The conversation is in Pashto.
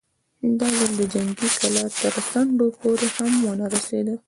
دا ځل د جنګي کلا تر څنډو پورې هم ونه رسېد.